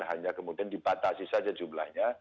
hanya kemudian dibatasi saja jumlahnya